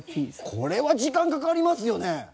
これは時間かかりますよね。